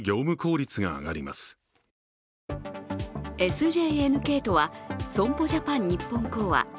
ＳＪＮＫとは損保ジャパン日本興亜。